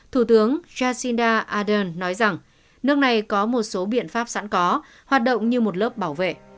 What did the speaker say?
thủ tướng jacinda ardern nói rằng nước này có một số biện pháp sẵn có hoạt động như một lớp bảo vệ